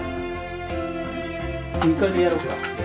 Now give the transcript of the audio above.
２階でやろうか。